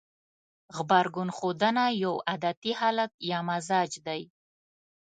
غبرګون ښودنه يو عادتي حالت يا مزاج دی.